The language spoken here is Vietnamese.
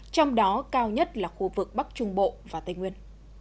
trong đó cao nhất là khu vực bắc trung bộ và tây nguyên